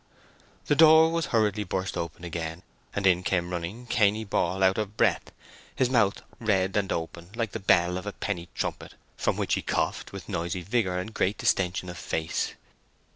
The door was hurriedly burst open again, and in came running Cainy Ball out of breath, his mouth red and open, like the bell of a penny trumpet, from which he coughed with noisy vigour and great distension of face.